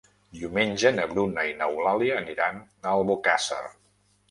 Diumenge na Bruna i n'Eulàlia aniran a Albocàsser.